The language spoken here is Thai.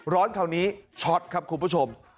คราวนี้ช็อตครับคุณผู้ชม